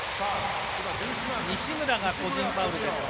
西村が個人ファウルですか。